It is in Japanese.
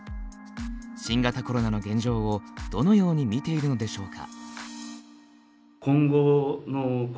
新型コロナの現状をどのように見ているのでしょうか。